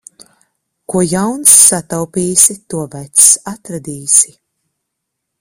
Ko jauns sataupīsi, to vecs atradīsi.